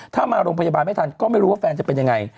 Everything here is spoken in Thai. ถ้ามาโรงพยาบาลไม่ทันก็ไม่รู้ว่าแฟนจะเป็นยังไง